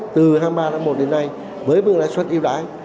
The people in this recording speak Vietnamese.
từ hai mươi ba tháng một đến nay với mức lãi suất yêu đái